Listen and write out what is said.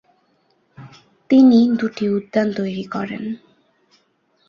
তিনি দুটি উদ্যান তৈরি করেন।